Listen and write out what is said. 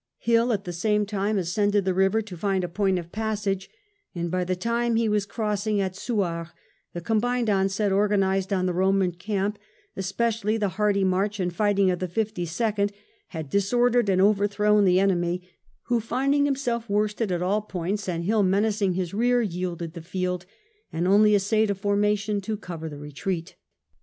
Hill at the same time ascended the river to find a point of passage, and by the time he was crossing at Sonars the combined onset organised on the Roman camp, especially the hardy march and fighting of the Fifty second, had disordered and overthrown the enemy, who, finding himself worsted at all points and Hill menacing his rear, yielded the fields and only essayed a formation to cover the retreat.